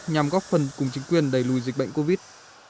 nhằm góp phần cùng chính quyền đẩy lùi dịch bệnh covid